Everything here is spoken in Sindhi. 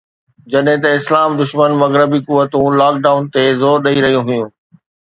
جڏهن ته اسلام دشمن مغربي قوتون لاڪ ڊائون تي زور ڏئي رهيون هيون